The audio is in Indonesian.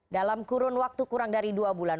dalam kurun waktu kurang dari dua bulan